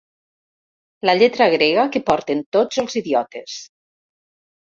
La lletra grega que porten tots els idiotes.